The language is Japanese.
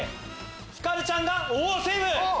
ひかるちゃんがセーフ！